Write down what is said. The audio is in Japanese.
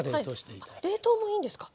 あっ冷凍もいいんですか？